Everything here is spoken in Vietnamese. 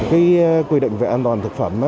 cái quy định về an toàn thực phẩm